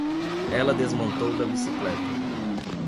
Ela desmontou da bicicleta.